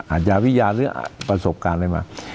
อาจจะวิยาหรือประสบการณ์อะไรมา